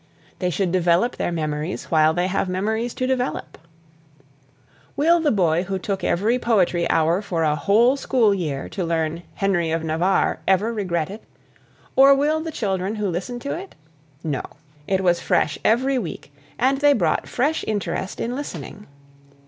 They should develop their memories while they have memories to develop. Will the boy who took every poetry hour for a whole school year to learn "Henry of Navarre" ever regret it, or will the children who listened to it? No. It was fresh every week and they brought fresh interest in listening.